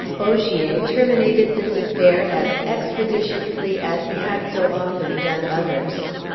Ogier terminated this affair as expeditiously as he had so often done others.